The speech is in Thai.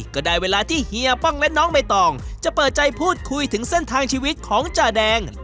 ก็ได้เวลาที่เฮียป้องและน้องใบตองจะเปิดใจพูดคุยถึงเส้นทางชีวิตของจาแดง